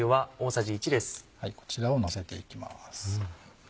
こちらをのせていきます。